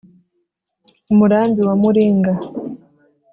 umurambi wa muringa